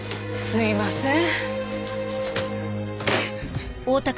すいません。